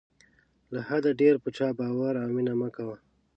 له حده ډېر په چا باور او مینه مه کوه.